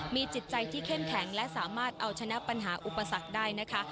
มีจิตใจที่เข้มแข็งและสามารถเอาชนะปัญหาอุปสรรคได้นะคะ